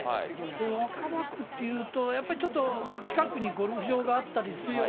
若葉区っていうと、やっぱりちょっと近くにゴルフ場があったりするような、